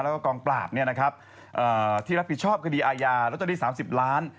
แล้วก็กองปราบเนี่ยนะครับเอ่อที่รับผิดชอบคดีอายาแล้วจะได้สามสิบล้าน